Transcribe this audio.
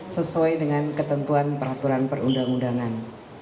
sesuai dengan ketentuan peraturan perundang undangan